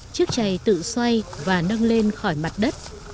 chiếc chày tự xoay và nâng lên khỏi mặt đất